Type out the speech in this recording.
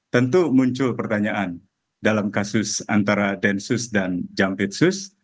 tentu muncul pertanyaan dalam kasus antara densus dan jampitsus